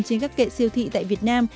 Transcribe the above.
trên các kệ siêu thị tại việt nam